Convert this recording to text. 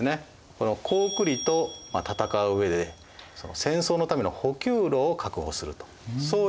この高句麗と戦ううえで戦争のための補給路を確保するとそういう目的があったわけです。